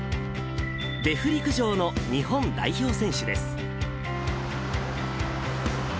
デフ陸上の日本代表選手です。